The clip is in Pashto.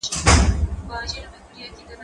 زه هره ورځ سينه سپين کوم!.